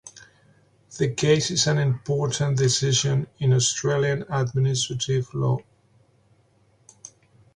The case is an important decision in Australian Administrative Law.